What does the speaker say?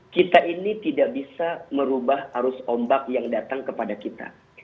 kita ini tidak bisa merubah arus ombak yang datang kepada kita